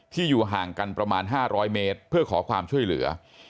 อยู่ห่างกันประมาณ๕๐๐เมตรเพื่อขอความช่วยเหลือ